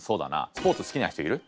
スポーツ好きな人いる？